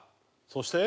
そして？